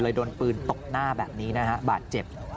โดนปืนตบหน้าแบบนี้นะฮะบาดเจ็บ